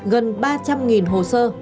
gần ba trăm linh hồ sơ